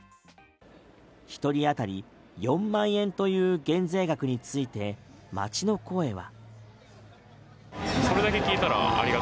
１人当たり４万円という減税額について、街の声は。